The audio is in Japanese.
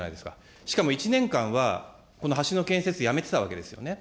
しかも１年間はこの橋の建設、やめてたわけですよね。